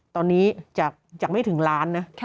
ตอนนี้จากไม่ถึงล้านนะ